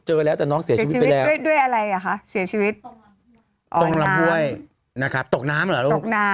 เจอแล้วแต่ว่าน้องเสียชีวิตไปแล้ว